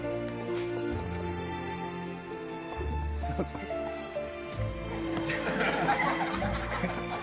そうそうそう。